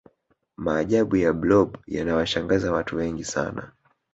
maajabu ya blob yanawashangaza watu wengi sana